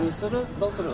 どうする？